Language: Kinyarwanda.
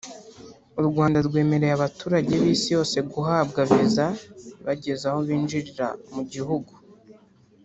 U Rwanda rwemereye abaturage b’isi yose guhabwa viza bageze aho binjirira mu gihugu